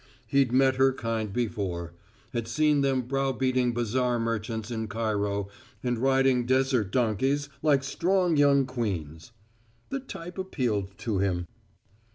He'd met her kind before; had seen them browbeating bazaar merchants in Cairo and riding desert donkeys like strong young queens. The type appealed to him.